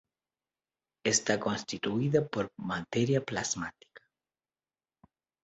Está constituida por materia plasmática.